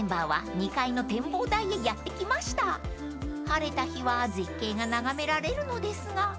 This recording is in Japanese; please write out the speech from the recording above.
［晴れた日は絶景が眺められるのですが］